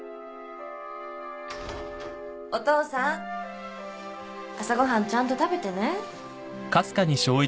お父さん朝ご飯ちゃんと食べてね。